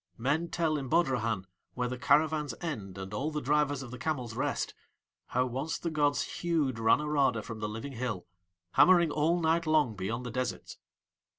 Men tell in Bodrahan, where the caravans end and all the drivers of the camels rest, how once the gods hewed Ranorada from the living hill, hammering all night long beyond the deserts.